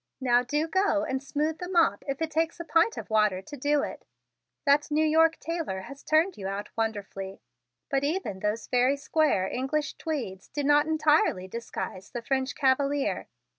Now do go and smooth the mop if it takes a pint of water to do it. That New York tailor has turned you out wonderfully, but even those very square English tweeds do not entirely disguise the French cavalier.